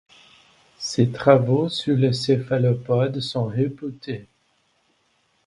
Ses travaux sur les céphalopodes sont réputés.